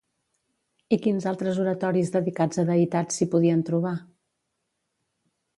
I quins altres oratoris dedicats a deïtats s'hi podien trobar?